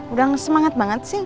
udah ngesemangat banget sih